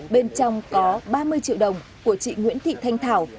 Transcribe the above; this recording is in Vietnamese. bên trong có ba mươi triệu đồng của chị nguyễn thị thanh thảo